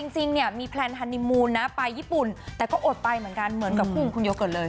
จริงมีแพลนฮานิมูลไปญี่ปุ่นแต่ก็อดไปเหมือนกันเหมือนกับคู่คุณเยอะเกิดเลย